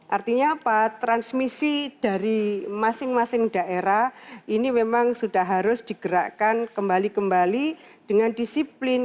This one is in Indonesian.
artinya apa transmisi dari masing masing daerah ini memang sudah harus digerakkan kemudian